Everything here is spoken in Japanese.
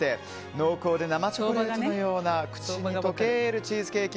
濃厚で生チョコレートのような口溶けのチーズケーキ